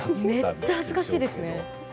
めっちゃ恥ずかしいですね